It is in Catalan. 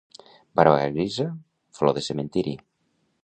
Barba grisa, flor de cementiri.